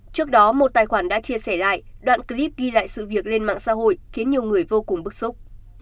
trước đó một tài khoản đã chia sẻ lại đoạn clip ghi lại sự việc lên mạng xã hội khiến nhiều người vô cùng bức xúc